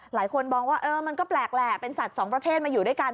หลายคนมองว่ามันก็แปลกแหละเป็นสัตว์สองประเภทมาอยู่ด้วยกัน